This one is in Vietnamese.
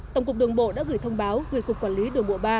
tổng cục đường bộ đã gửi thông báo về cục quản lý đường bộ ba